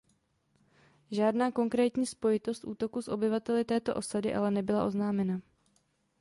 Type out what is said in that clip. Žádná konkrétní spojitost útoku s obyvateli této osady ale nebyla oznámena.